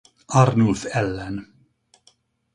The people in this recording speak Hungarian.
Arnulf ellen.